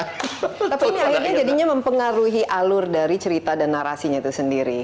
tapi ini akhirnya jadinya mempengaruhi alur dari cerita dan narasinya itu sendiri